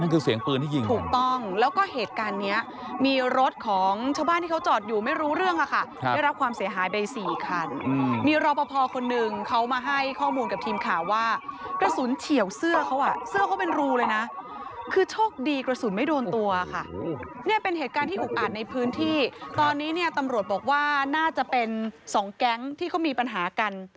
เนี่ยเป็นเหตุการณ์ที่อุกอัดในพื้นที่ตอนนี้เนี่ยตำรวจบอกว่าน่าจะเป็นสองแก๊งที่เขามีปัญหากัน